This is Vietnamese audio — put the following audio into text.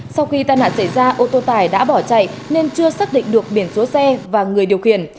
sau khi tai nạn xảy ra ô tô tải đã bỏ chạy nên chưa xác định được biển số xe và người điều khiển